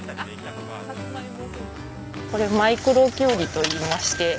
これマイクロキュウリといいまして。